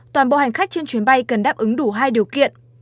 toàn bộ hành khách trên chuyến bay cần đáp ứng đủ hai điều kiện